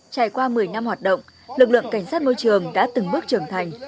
trải qua một mươi năm hoạt động lực lượng cảnh sát môi trường đã từng bước trưởng thành